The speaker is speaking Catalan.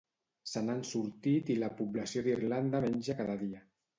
Se n'han sortit i la població d'Irlanda menja cada dia.